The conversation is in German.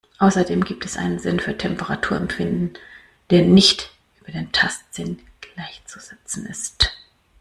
Außerdem gibt es einen Sinn für Temperaturempfinden, der nicht mit dem Tastsinn gleichzusetzen ist.